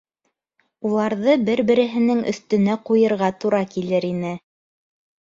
Уларҙы бер береһенең өҫтөнә ҡуйырға тура килер ине...